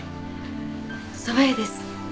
そば湯です。